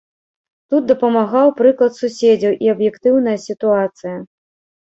Тут дапамагаў прыклад суседзяў і аб'ектыўная сітуацыя.